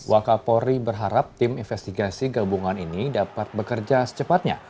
wakapori berharap tim investigasi gabungan ini dapat bekerja secepatnya